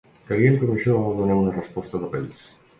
Creiem que amb això donem una resposta de país.